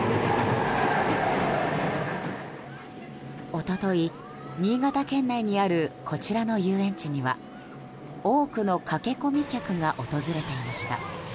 一昨日、新潟県内にあるこちらの遊園地には多くの駆け込み客が訪れていました。